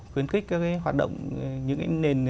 khuyến khích cái hoạt động những cái nền